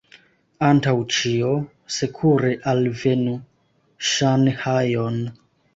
Antaŭ ĉio, sekure alvenu Ŝanhajon.